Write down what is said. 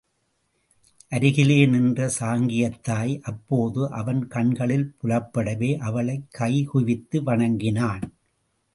அருகிலே நின்ற சாங்கியத் தாய் அப்போது அவன் கண்களில் புலப்படவே, அவளைக் கை குவித்து வணங்கினான்.